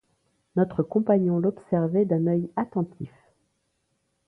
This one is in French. Notre compagnon l’observait d’un œil attentif.